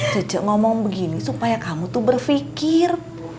cece ngomong begini supaya kamu tuh berpikir